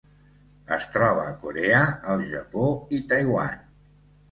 Es troba a Corea, el Japó i Taiwan.